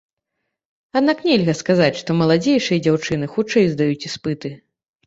Аднак нельга сказаць, што маладзейшыя дзяўчыны хутчэй здаюць іспыты.